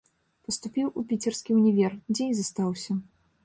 Паступіў у піцерскі ўнівер, дзе і застаўся.